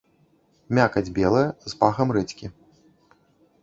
Мякаць белая, з пахам рэдзькі.